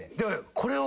これを。